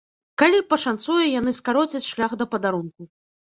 Калі пашанцуе, яны скароцяць шлях да падарунку.